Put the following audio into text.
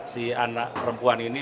si anak perempuan ini